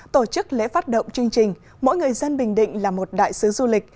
tổ chức lễ phát động chương trình mỗi người dân bình định là một đại sứ du lịch